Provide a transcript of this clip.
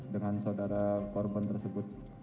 dengan saudara korban tersebut